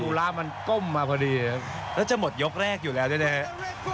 ระมันก้มมาพอดีครับแล้วจะหมดยกแรกอยู่แล้วด้วยนะครับ